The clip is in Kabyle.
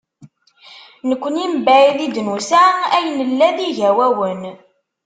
Nekkni mebɛid i d-nusa, ay nella d igawawen.